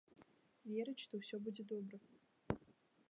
Верыць, што ўсё будзе добра.